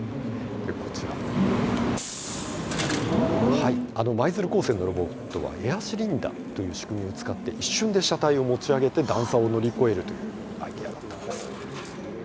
はい舞鶴高専のロボットはエアシリンダーという仕組みを使って一瞬で車体を持ち上げて段差を乗り越えるというアイデアだったんです。